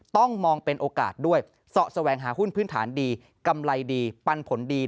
ต้องมองเป็นโอกาสด้วยเสาะแสวงหาหุ้นพื้นฐานดีกำไรดีปันผลดี